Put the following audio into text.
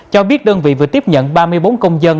cho biết đơn vị vừa tiếp nhận ba mươi bốn công dân